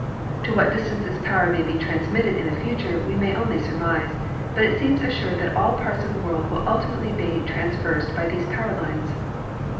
To what distances power may be transmitted in the future we may only surmise, but it seems assured that all parts of the world will ultimately be traversed by these power lines.